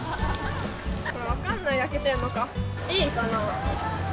分かんない、焼けてんのか、いいかな？